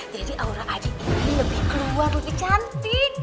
jadi aura adi ini lebih keluar lebih cantik